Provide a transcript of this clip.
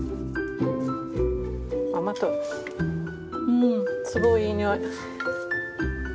うんすごいいい匂い！